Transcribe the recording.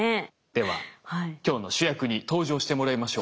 では今日の主役に登場してもらいましょう。